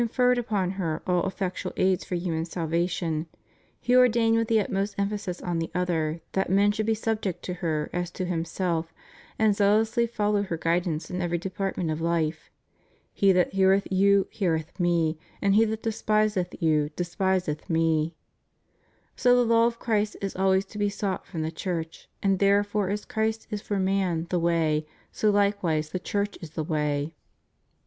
ferred upon her all effectual aids for human salvation, He ordained with the utmost emphasis on the other that men should be subject to her as to Himself, and zealously follow her guidance in every department of Ufe: He that heareth you, heareth Me; and he that despiseth you, despiseth Me} So the law of Christ is always to be sought from the Church, and therefore as Christ is for man the way, so hkewise the Church is the way.